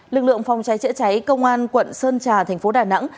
lực lượng phòng cháy chữa cháy công an quận sơn trà thành phố đà nẵng